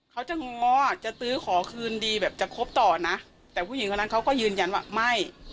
เขาจะง้อจะตื้อขอคืนดีแบบจะครบต่อนะแต่ผู้หญิงคนนั้นเขาก็ยืนยันว่าไม่